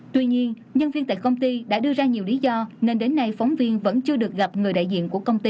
tuy nhiên nhân viên tại công ty đã đưa ra nhiều lý do nên đến nay phóng viên vẫn chưa được gặp người đại diện của công ty